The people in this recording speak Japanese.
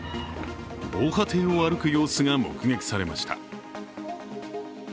防波堤を歩く様子が目撃されました。